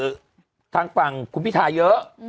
ก็คิดว่าทางฝั่งคุณพิธาเยอะ